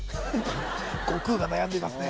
悟空が悩んでいますね